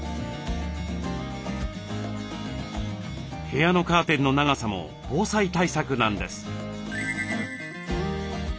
部屋のカーテンの長さも防災対策なんです。